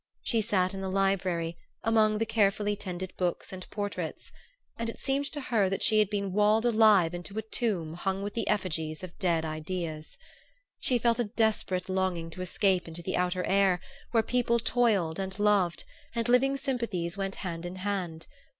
She sat in the library, among the carefully tended books and portraits; and it seemed to her that she had been walled alive into a tomb hung with the effigies of dead ideas. She felt a desperate longing to escape into the outer air, where people toiled and loved, and living sympathies went hand in hand.